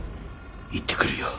行ってくるよ。